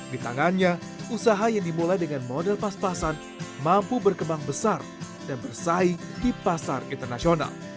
di tangannya usaha yang dimulai dengan model pas pasan mampu berkembang besar dan bersaing di pasar internasional